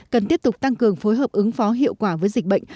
cần tiếp tục tăng cường phối hợp ứng phó hiệu quả với dịch bệnh